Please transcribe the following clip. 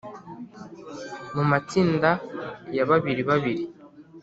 mu matsinda ya babiri babiri